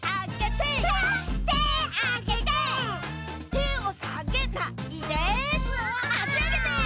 てをさげないであしあげて！